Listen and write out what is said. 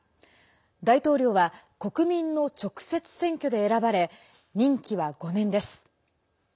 大統領は国民の直接選挙で選ばれ任期は５年です。